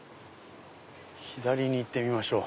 左に行ってみましょう。